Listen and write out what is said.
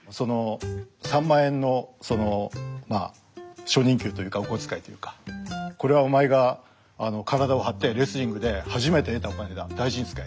３万円の初任給というかお小遣いというか「これはお前が体を張ってレスリングで初めて得たお金だ大事に使え」。